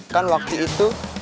kan waktu itu